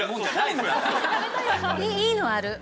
いいのがある。